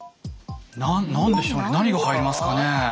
何でしょうね何が入りますかね？